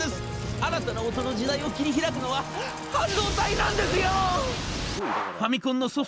新たな音の時代を切り開くのは半導体なんですよ！」